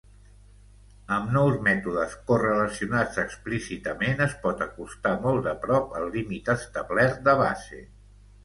Amb nous mètodes correlacionats explícitament es pot acostar molt de prop el límit establert de base.